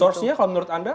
sourcenya kalau menurut anda